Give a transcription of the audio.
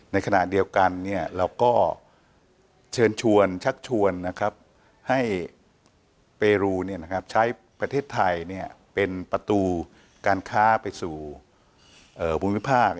ในขณะเดียวกันเราก็เชิญชวนชักชวนให้เปรูใช้ประเทศไทยเป็นประตูการค้าไปสู่ภูมิภาค